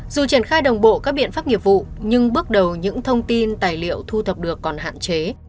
dù triển khai đồng bộ các biện pháp nghiệp vụ nhưng bước đầu những thông tin tài liệu thu thập được còn hạn chế